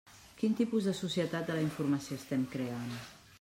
Quin tipus de societat de la informació estem creant?